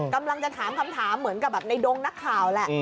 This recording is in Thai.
กำลังจะถามคำถามเหมือนกับแบบในดงนักข่าวแหละ